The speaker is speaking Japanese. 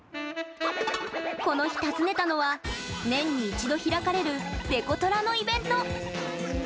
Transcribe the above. この日、訪ねたのは年に一度開かれるデコトラのイベント。